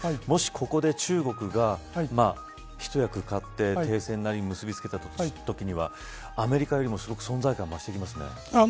もし、ここで中国が一役かって停戦なりを結びつけたときにはアメリカよりもすごく存在感が増してきますね。